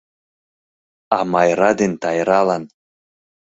А Майра ден Тайралан